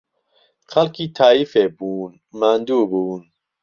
خەڵکی تاییفێ بوون، ماندوو بوون